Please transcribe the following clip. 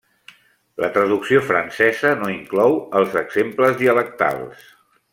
La traducció francesa no inclou els exemples dialectals.